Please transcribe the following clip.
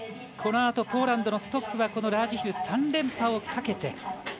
このあとポーランドのストッフはラージヒル３連覇をかけて。